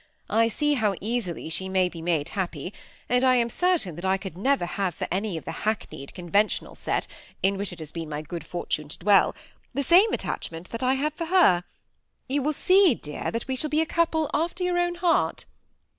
I see how easily she may be made happy, and I am certain that I could never have for any of the hackneyed conventional set, in which it has been my good fortune to dwell, the same attachment that I have for her. You will see, dear, that we shall be a couple after your own heart."